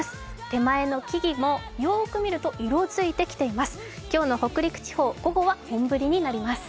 手前の木々もよく見ると色づいてきています。